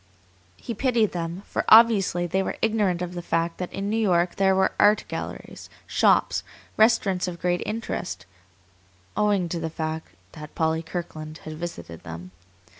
He pitied them, for obviously they were ignorant of the fact that in New York there were art galleries, shops, restaurants of great interest, owing to the fact that Polly Kirkland had visited them.